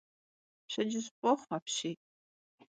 Pşedcıj f'oxhu apşiy!